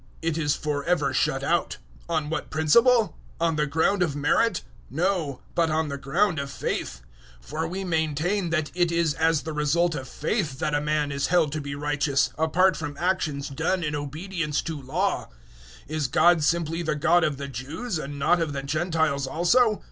It is for ever shut out. On what principle? On the ground of merit? No, but on the ground of faith. 003:028 For we maintain that it is as the result of faith that a man is held to be righteous, apart from actions done in obedience to Law. 003:029 Is God simply the God of the Jews, and not of the Gentiles also?